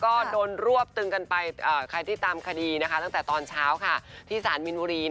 ก็โดนรวบตึงกันไปใครที่ตามคดีนะคะตั้งแต่ตอนเช้าที่สารมินบุรี